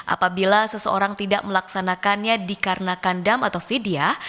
apabila seseorang tidak melaksanakannya dikarenakan dam atau vidya